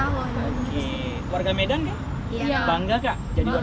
warga medan gak bangga kak